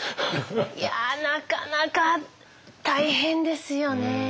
いやなかなか大変ですよね。